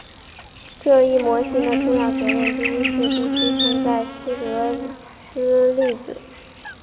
这一模型的重要结论之一是必须存在希格斯粒子。